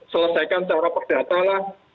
selesaikan secara perdata lah